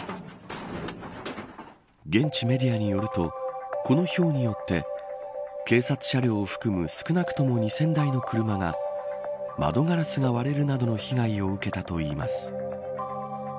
現地メディアによるとこの、ひょうによって警察車両を含む少なくとも２０００台の車が窓ガラスが割れるなどの被害を受けたといいます。